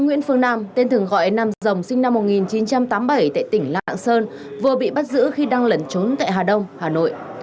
nguyễn phương nam tên thường gọi nam rồng sinh năm một nghìn chín trăm tám mươi bảy tại tỉnh lạng sơn vừa bị bắt giữ khi đang lẩn trốn tại hà đông hà nội